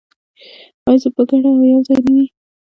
آیا په ګډه او یوځای نه وي؟